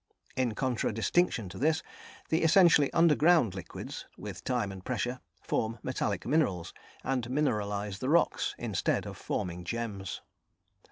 In contradistinction to this, the essentially underground liquids, with time and pressure, form metallic minerals and mineralise the rocks, instead of forming gems.